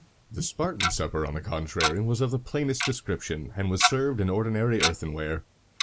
The Spartan supper, on the contrary, was of the plainest description, and was served in ordinary earthenware.